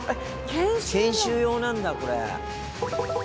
研修用なんだこれ。